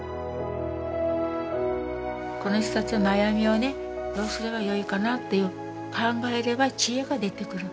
この人たちの悩みをねどうすればよいかなっていう考えれば知恵が出てくる。